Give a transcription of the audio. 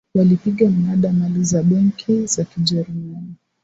walipiga mnada mali za benki za kijerumani